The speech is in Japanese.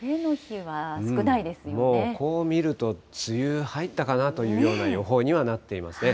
もうこう見ると、梅雨入ったかなというような予報にはなっていますね。